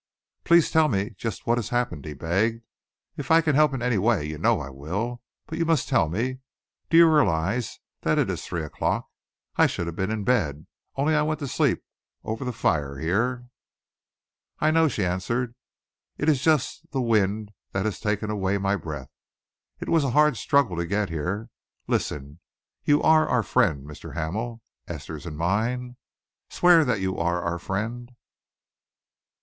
"Please tell me just what has happened?" he begged. "If I can help in any way, you know I will. But you must tell me. Do you realise that it is three o'clock? I should have been in bed, only I went to sleep over the fire here." "I know," she answered. "It is just the wind that has taken away my breath. It was a hard struggle to get here. Listen you are our friend, Mr. Hamel Esther's and mine? Swear that you are our friend?"